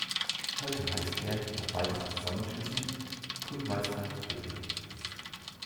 Heute heißt er, nach weiteren Zusammenschlüssen, Grün-Weiß Eimsbüttel.